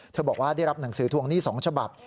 บอกว่าได้รับหนังสือทวงหนี้๒ฉบับ